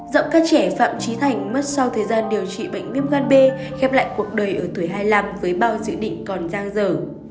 giọng ca trẻ phạm trí thành mất sau thời gian điều trị bệnh viêm gan b khép lại cuộc đời ở tuổi hai mươi năm với bao dự định còn giang dở